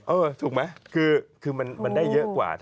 ถูกไหมคือมันได้เยอะกว่า